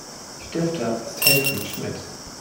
Stifter ist Helfried Schmidt.